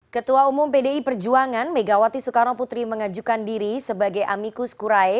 ketua umum pdi perjuangan megawati soekarno putri mengajukan diri sebagai amikus kurae